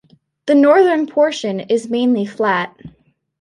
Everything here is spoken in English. The northern portion is mainly flat.